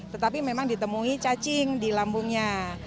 tetapi memang ditemui cacing di lambungnya